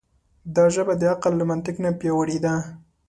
دا ژبه د عقل له منطق نه پیاوړې ده.